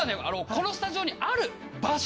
このスタジオにある場所！